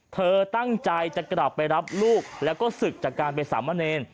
เธอตั้งใจจะกลับไปรับลูกแล้วก็ศึกจากการไปสามะเนร